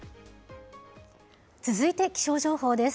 続いて気象情報です。